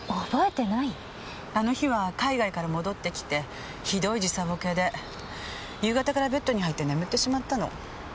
あの日は海外から戻ってきてひどい時差ぼけで夕方からベッドに入って眠ってしまったの。